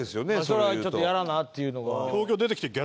それはちょっとやらなっていうのが。